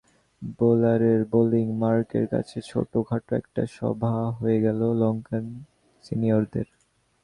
বোলারের bowling মার্কের কাছে ছোটখাটো একটা সভা হয়ে গেল লঙ্কান সিনিয়রদের।